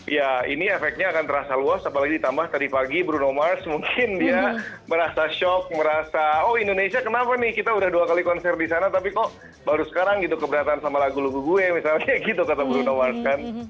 ya ini efeknya akan terasa luas apalagi ditambah tadi pagi bruno mars mungkin dia merasa shock merasa oh indonesia kenapa nih kita udah dua kali konser di sana tapi kok baru sekarang gitu keberatan sama lagu lagu gue misalnya gitu kata bruno mars kan